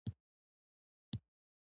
راکټ د دقیقې محاسبې غوښتنه لري